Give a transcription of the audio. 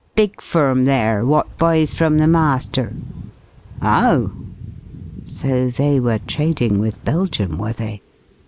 Big firm there what buys from the master." "Oh?" So they were trading with Belgium, were they?